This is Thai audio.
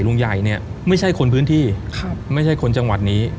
ลุงใหญ่เนี่ยไม่ใช่คนพื้นที่ไม่ใช่คนจังหวัดนี้